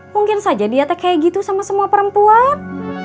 mungkin saja dia teh kayak gitu sama semua perempuan